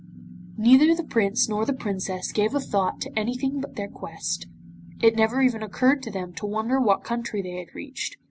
Neither the Prince nor the Princess gave a thought to anything but their quest. It never even occurred to them to wonder what country they had reached.